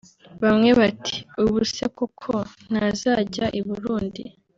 Bamwe bati ubu se koko ntazajya i Burundi